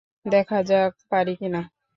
দেখা যাক পারি কিনা।